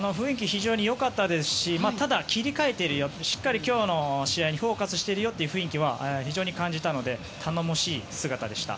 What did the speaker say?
非常によかったですしただ、切り替えていてしっかり今日の試合にフォーカスしている雰囲気は非常に感じたので頼もしい姿でした。